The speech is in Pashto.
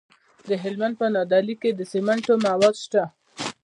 د هلمند په نادعلي کې د سمنټو مواد شته.